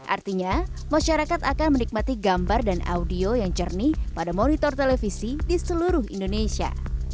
artinya masyarakat akan menikmati gambar dan audio yang jernih pada monitor televisi di seluruh indonesia